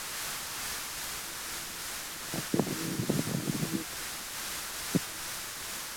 মুসলমানদের পতাকাকে আঁকড়ে ধরে রক্তাপ্লুত হয়ে তিনি রণাঙ্গনে পড়ে রইলেন।